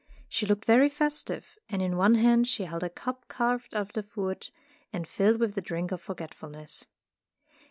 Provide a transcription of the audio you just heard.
She looked very festive, and in one hand she held a cup carved out of wood and filled with the drink of Forgetfulness.